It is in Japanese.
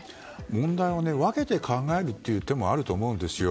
問題は分けて考えるという手もあると思うんですよ。